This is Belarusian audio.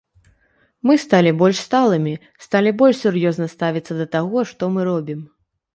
Мы сталі больш сталымі, сталі больш сур'ёзна ставіцца да таго, што мы робім.